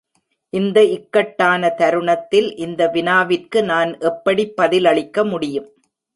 இந்த இக்காட்டான தருணத்தில் இந்த வினாவிற்கு நான் எப்படி பதிலளிக்க முடியும்.